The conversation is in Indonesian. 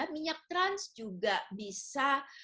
minyak trans juga bisa